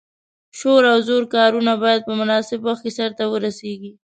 شور او زور کارونه باید په مناسب وخت کې سرته ورسیږي.